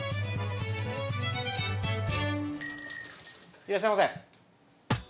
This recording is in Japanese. いらっしゃいませ。